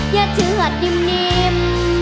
ยาเชือกดิ่ม